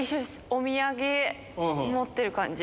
お土産持ってる感じ。